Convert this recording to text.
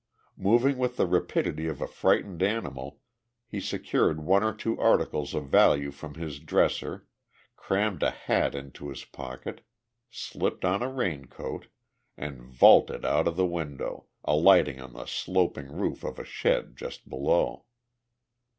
Moving with the rapidity of a frightened animal, he secured one or two articles of value from his dresser, crammed a hat into his pocket, slipped on a raincoat, and vaulted out of the window, alighting on the sloping roof of a shed just below.